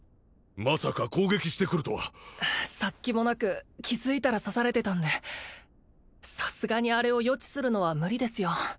まさか攻撃してくるとは殺気もなく気づいたら刺されてたんでさすがにあれを予知するのは無理ですよ